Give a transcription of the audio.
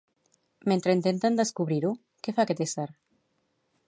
Mentre intenten descobrir-ho, què fa aquest ésser?